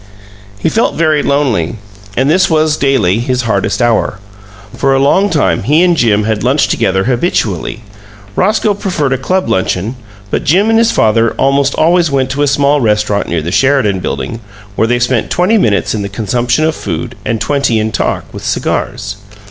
He felt very lonely, and this was, daily, his hardest hour. For a long time he and Jim had lunched together habitually. Roscoe preferred a club luncheon, but Jim and his father almost always went to a small restaurant near the Sheridan Building, where they spent twenty minutes in the consumption of food, and twenty in talk, with cigars.